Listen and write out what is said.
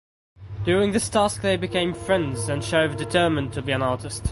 During this task they became friends and Sheriff determined to be an artist.